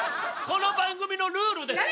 この番組のルールです。